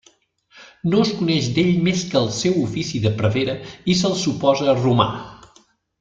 No es coneix d'ell més que el seu ofici de prevere i se'l suposa romà.